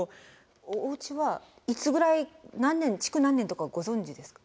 おうちはいつぐらい何年築何年とかはご存じですか？